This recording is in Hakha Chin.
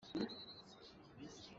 Ralkap tampi an ra.